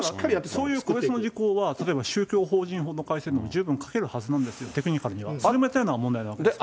そういう個別の事項は、例えば宗教法人法の改正にも十分かけるはずなんですよ、テクニカル的には。が問題なんです。